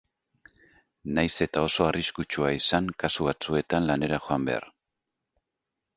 Nahiz eta oso arriskutsua izan kasu batzuetan lanera joan behar.